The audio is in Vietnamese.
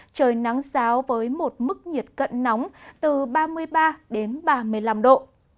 trời nắng giáo với một mức nhiệt cận nóng từ ba mươi ba đến ba mươi năm độ